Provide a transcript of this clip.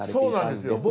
そうなんですよ。